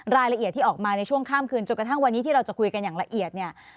รายละเอียดที่ออกมาในช่วงข้ามคืนจนกระทั่งวันนี้ที่เราจะคุยกันอย่างละเอียดเนี่ย